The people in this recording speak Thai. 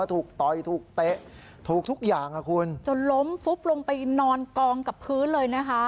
ถูกต่อยถูกเตะถูกทุกอย่างอ่ะคุณจนล้มฟุบลงไปนอนกองกับพื้นเลยนะคะ